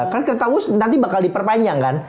kan kereta bus nanti bakal diperpanjang kan